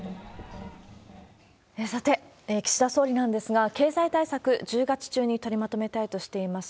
さて、岸田総理なんですが、経済対策、１０月中に取りまとめたいとしています。